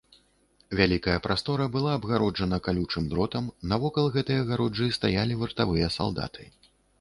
Вялікая прастора была абгароджана калючым дротам, навокал гэтай агароджы стаялі вартавыя салдаты.